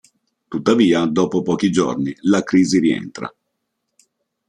Tuttavia dopo pochi giorni la crisi rientra.